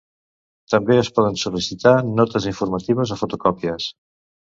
També es poden sol·licitar notes informatives o fotocòpies.